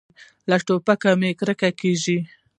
له ټوپکو مې کرکه کېږي.